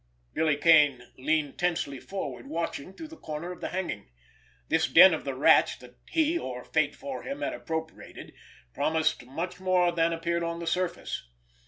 Billy Kane leaned tensely forward, watching through the corner of the hanging. This den of the Rat's that he, or fate for him, had appropriated, promised much more than appeared on the surface!